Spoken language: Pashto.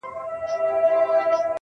شاهدان مي سره ګلاب او پسرلي دي,